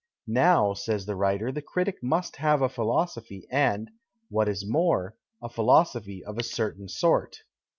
Now, says the writer, the critic must have a philosophy and, what is more, a philosophy of a certain sort.